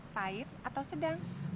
pahit atau sedang